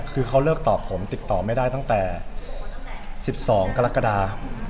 คือเขาเลิกตอบผมติดต่อไม่ได้ตั้งแต่๑๒กรกฎา